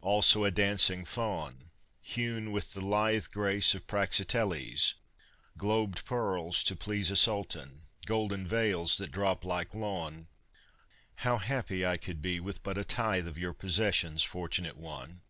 Also a Dancing Faun, Hewn with the lithe grace of Praxiteles; Globed pearls to please A sultan; golden veils that drop like lawn How happy I could be with but a tithe Of your possessions, fortunate one!